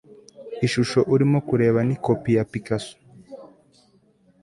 ishusho urimo kureba ni kopi ya picasso